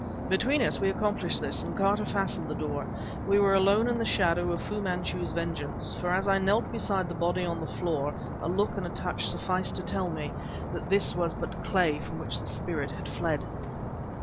Between us we accomplished this, and Carter fastened the door. We were alone with the shadow of Fu Manchu's vengeance; for as I knelt beside the body on the floor, a look and a touch sufficed to tell me that this was but clay from which the spirit had fled!